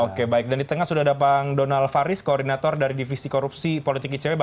oke baik dan di tengah sudah ada bang donald faris koordinator dari divisi korupsi politik icw